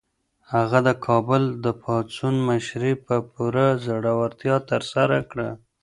هغه د کابل د پاڅون مشري په پوره زړورتیا ترسره کړه.